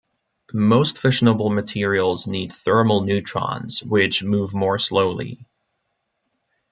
Most fissionable materials need thermal neutrons, which move more slowly.